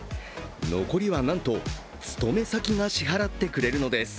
残りはなんと勤め先が支払ってくれるのです。